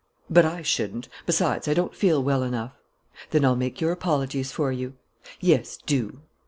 "But I shouldn't. Besides, I don't feel well enough." "Then I'll make your apologies for you." "Yes, do."